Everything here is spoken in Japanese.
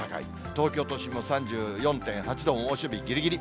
東京都心も３４．８度、猛暑日ぎりぎり。